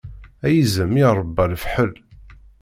A yizem i iṛebba lefḥel!